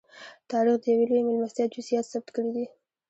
تاریخ د یوې لویې مېلمستیا جزییات ثبت کړي دي.